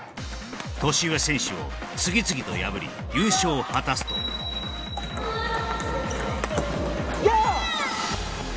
年上選手を次々と破り優勝を果たすとヤーッ！